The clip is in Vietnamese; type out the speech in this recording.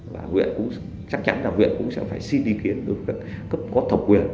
và huyện cũng chắc chắn là huyện cũng sẽ phải xin ý kiến đối với các cấp có thẩm quyền